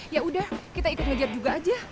ya udah kita ikut ngejar juga aja